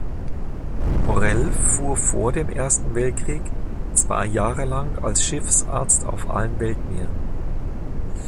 Morell fuhr vor dem Ersten Weltkrieg zwei Jahre lang als Schiffsarzt auf allen Weltmeeren.